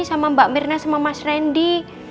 sama mbak mirna sama mas randy